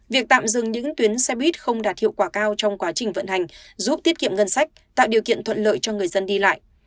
việc tạm dừng những tuyến xe buýt không đạt hiệu quả cao trong quá trình vận hành giúp tiết kiệm ngân sách tạo điều kiện thuận lợi cho người dân đi lại